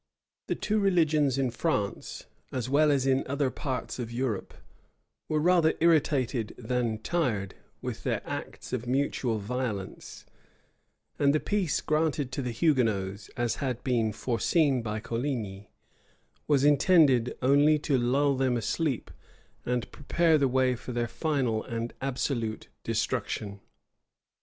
[] The two religions, in France, as well as in other parts of Europe, were rather irritated than tired with their acts of mutual violence; and the peace granted to the Hugonots, as had been foreseen by Coligny, was intended only to lull them asleep and prepare the way for their final and absolute destruction.